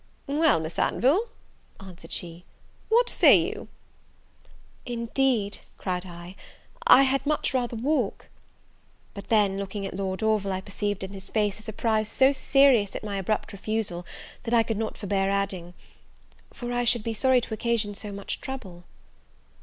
"Well, Miss Anville," answered she, "what say you?" "Indeed," cried I, "I had much rather walk ." But then, looking at Lord Orville, I perceived in his face a surprise so serious at my abrupt refusal, that I could not forbear adding, "for I should be sorry to occasion so much trouble."